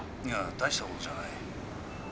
いや大した事じゃない。